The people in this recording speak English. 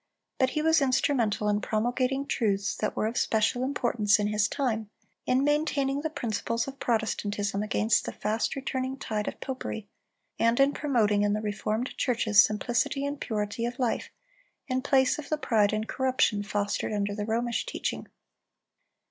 But he was instrumental in promulgating truths that were of special importance in his time, in maintaining the principles of Protestantism against the fast returning tide of popery, and in promoting in the reformed churches simplicity and purity of life, in place of the pride and corruption fostered under the Romish teaching.